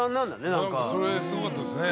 何かそれすごかったですね。